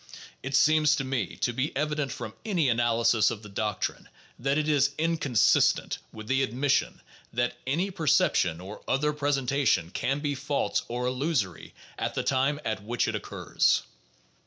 It seems to me to be evident from any analysis of the doctrine that it is inconsistent with the admission that any perception or other presentation can be false or illusory at the time at which it occurs.